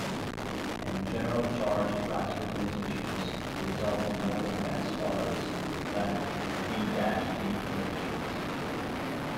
In general charge transfer transitions result in more intense colours than d-d transitions.